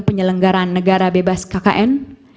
penyelenggaran negara bebas kkn